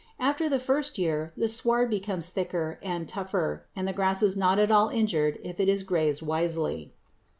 After the first year the sward becomes thicker and tougher, and the grass is not at all injured if it is grazed wisely.